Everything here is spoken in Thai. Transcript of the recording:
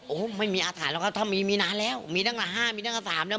โอ้โหไม่มีอาฐานแล้วครับถ้ามีมีนานแล้วมีดั้งแต่๕มีดั้งแต่๓แล้ว